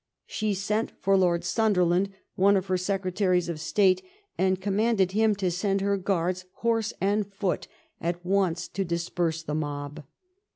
She sent for Lord Sunderland, one of her secretaries of state, and commanded him to send her Guards, horse and foot, at once to disperse the mob.